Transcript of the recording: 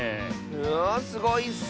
うわすごいッス！